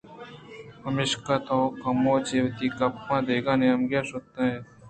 پمیشکا تو کمو چہ وتی گپاں دگہ نیمگے شت اِت